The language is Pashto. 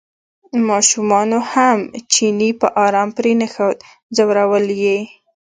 ماشومانو هم چینی په ارام پرېنښوده ځورول یې.